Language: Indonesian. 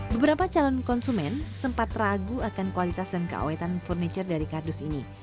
beberapa calon konsumen sempat ragu akan kualitas dan keawetan furniture dari kardus ini